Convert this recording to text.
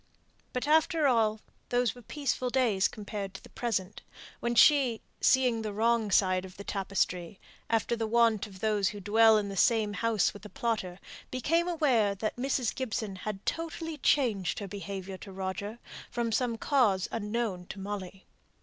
But after all, those were peaceful days compared to the present, when she, seeing the wrong side of the tapestry, after the wont of those who dwell in the same house with a plotter, became aware that Mrs. Gibson had totally changed her behaviour to Roger, from some cause unknown to Molly.